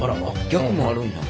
逆もあるんや。